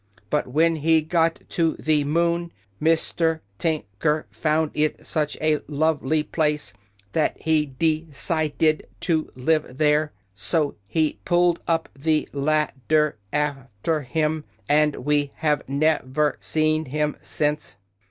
But when he got to the moon Mis ter Tin ker found it such a love ly place that he de cid ed to live there, so he pulled up the lad der af ter him and we have nev er seen him since."